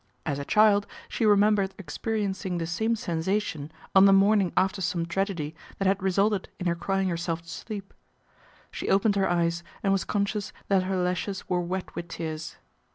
As a child she remembered ex periencing the same sensation on the morning after some tragedy that had resulted in her crying herself to sleep. She opened her eyes and was conscious that her lashes were wet with tears.